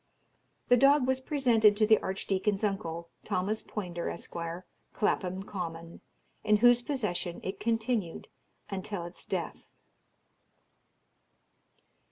The dog was presented to the Archdeacon's uncle, Thomas Poynder, Esq., Clapham Common, in whose possession it continued until its death.